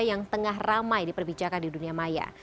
yang tengah ramai diperbicarakan di dunia maya